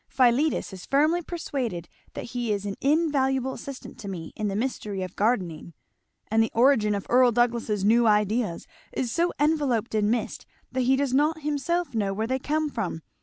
Philetus is firmly persuaded that he is an invaluable assistant to me in the mystery of gardening; and the origin of Earl Douglass's new ideas is so enveloped in mist that he does not himself know where they come from.